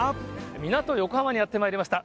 港、横浜にやってまいりました。